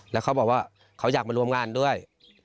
แล้วเขาบอกว่าเขาอยากมาร่วมงานด้วย